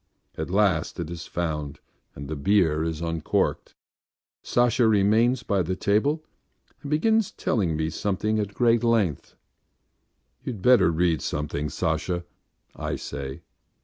At last it is found and the beer is uncorked. Sasha remains by the table and begins telling me something at great length. "You'd better read something, Sasha," I say.